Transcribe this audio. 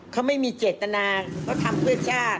เขาไม่มีเจตนาเขาทำเพื่อชาติ